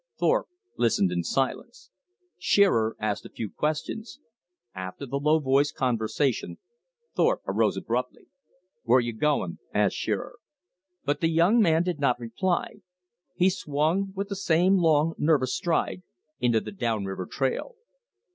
Thorpe listened in silence. Shearer asked a few questions. After the low voiced conversation Thorpe arose abruptly. "Where you going?" asked Shearer. But the young man did not reply. He swung, with the same long, nervous stride, into the down river trail.